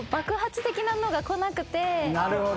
なるほど。